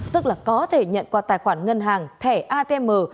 tức là có thể nhận qua tài khoản ngân hàng thẻ atm